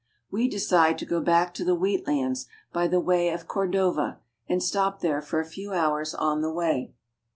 We decide to go back to the wheat lands by the way of Cor'dova, and stop there for a few hours on the way.